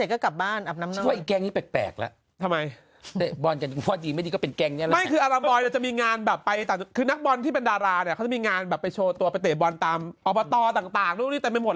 ก็กลับบ้านอับน้ำหรือแกงที่แปลกละทำไมอะไรคือแรงมายจะมีงานแบบไปแต่นักบอลที่เป็นดาราเนี่ยเค้ามีงานแบบไปโทรตัวไปเตะบอลตามอภาโตต่างหรือนี้แปลไม่หมด